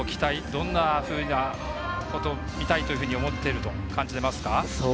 どんなものを見たいと思っていると感じていますか？